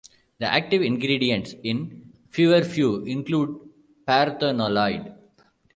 The active ingredients in feverfew include parthenolide.